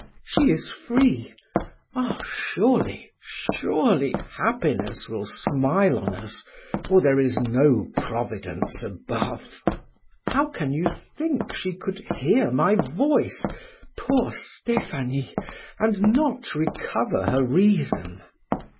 She is free; ah, surely, surely, happiness will smile on us, or there is no Providence above. How can you think she could hear my voice, poor Stephanie, and not recover her reason?"